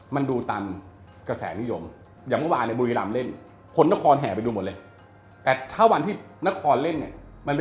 มันสวนทางกันนะครับ